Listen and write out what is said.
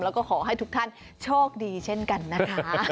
แล้วก็ขอให้ทุกท่านโชคดีเช่นกันนะคะ